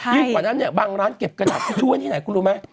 กว่านั้นเนี่ยบางร้านเก็บกระดาษทิชชู่ไว้ที่ไหนคุณรู้ไหม